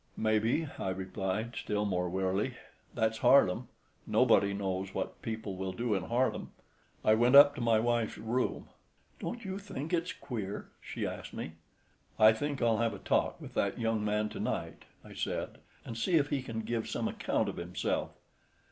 "May be," I replied, still more wearily. "That's Harlem. Nobody knows what people will do in Harlem." I went up to my wife's room. "Don't you think it's queer?" she asked me. "I think I'll have a talk with that young man to night," I said, "and see if he can give some account of himself."